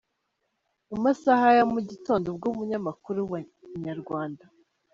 Mu masaha ya mu gitondo ubwo umunyamamakuru wa Inyarwanda.